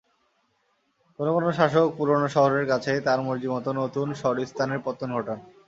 কোনো কোনো শাসক পুরোনো শহরের কাছেই তাঁর মর্জিমতো নতুন শহরিস্তানের পত্তন ঘটান।